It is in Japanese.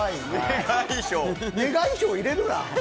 願い票入れるな！